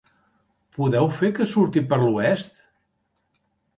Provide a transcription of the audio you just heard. Podeu fer que surti per l'oest?